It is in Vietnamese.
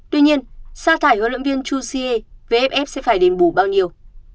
tuy nhiên xa thải huấn luyện viên chú siê vff sẽ phải đền bù bao nhiêu